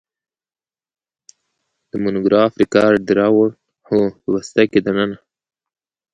د فونوګراف رېکارډ دې راوړ؟ هو، په بسته کې دننه.